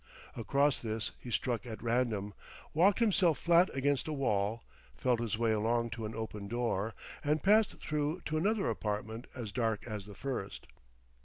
Across this he struck at random, walked himself flat against a wall, felt his way along to an open door, and passed through to another apartment as dark as the first.